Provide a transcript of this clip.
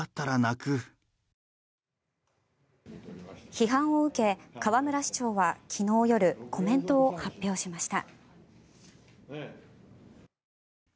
批判を受け、河村市長は昨日夜コメントを発表しました。